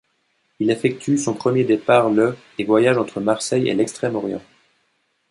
Il effectue son premier départ le et voyage entre Marseille et l'Extrême-Orient.